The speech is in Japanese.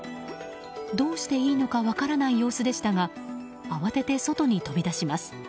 どうしていいのか分からない様子でしたが慌てて外に飛び出します。